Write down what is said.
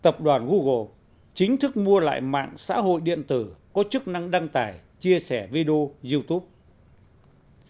tập đoàn google chính thức mua lại mạng xã hội điện tử có chức năng đăng tải chia sẻ video youtube